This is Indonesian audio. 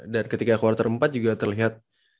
dan ketika quarter empat juga terlihat